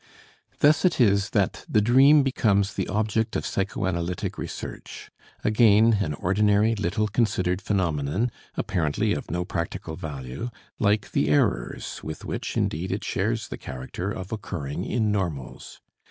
Thus it is that the dream becomes the object of psychoanalytic research again an ordinary, little considered phenomenon, apparently of no practical value, like the errors with which, indeed, it shares the character of occurring in normals.